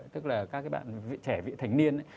tức là các cái bạn trẻ vị thành niên